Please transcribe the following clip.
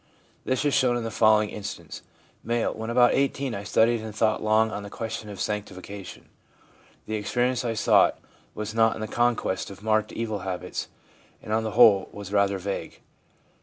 This is shown in the following instance : M. 4 When about 18 I studied and thought long on the question of sanctification. The experience I sought was not in the conquest of marked evil habits, and on the whole was rather vague.